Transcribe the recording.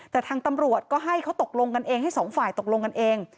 แต่ทางตำรวจก็ให้เขาตกลงกันเองให้สองฝ่ายตกลงกันเอง